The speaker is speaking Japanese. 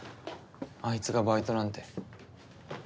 あいつがバイトなんて。